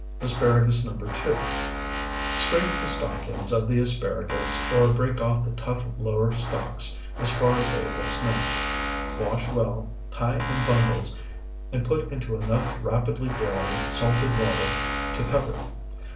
ASPARAGUS NO. 2 Scrape the stalk ends of the asparagus or break off the tough lower stalks as far as they will snap. Wash well, tie in bundles, and put into enough rapidly boiling salted water to cover.